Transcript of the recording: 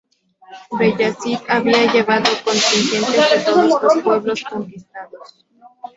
Beyazid había llevado contingentes de todos los pueblos conquistados.